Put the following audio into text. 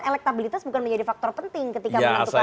elektabilitas bukan menjadi faktor penting ketika melakukan capres